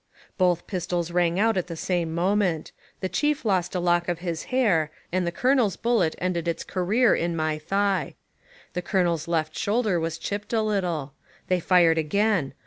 Both pistols rang out at the same mo ment. The chief lost a lock of his hair, and the colo nel's bullet ended its career in my thigh. The colonel's left shoulder was chipped a little. They fired again.